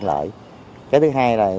lợi cái thứ hai là